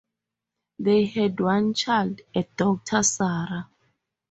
They had one child, a daughter Sarah.